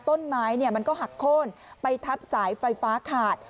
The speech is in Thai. ต้นไม้มันก็หักโค้นไปทับสายไฟฟ้าขาด